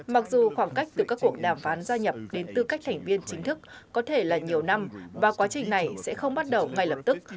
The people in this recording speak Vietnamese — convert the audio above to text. mặc dù khoảng cách từ các cuộc đàm phán gia nhập đến tư cách thành viên chính thức có thể là nhiều năm và quá trình này sẽ không bắt đầu ngay lập tức